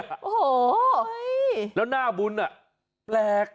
โอ้โหแล้วหน้าบุญแปลก